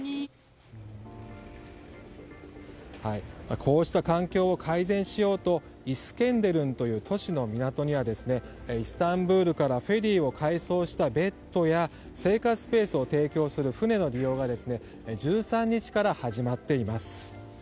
こうした環境を改善しようとイスケンデルンという都市の港にはイスタンブールからフェリーを改装したベッドや生活スペースを提供する船の利用が１３日から始まっています。